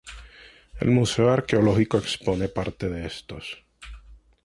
El Museo Arqueológico expone parte de estos.